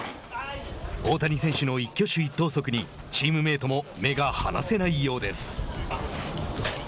大谷選手の一挙手一投足にチームメートも目が離せないようです。